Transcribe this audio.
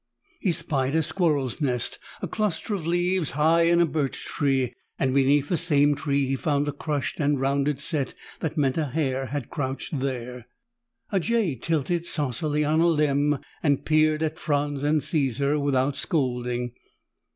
He spied a squirrel's nest, a cluster of leaves high in a birch tree, and beneath the same tree he found a crushed and rounded set that meant a hare had crouched there. A jay tilted saucily on a limb and peered at Franz and Caesar without scolding.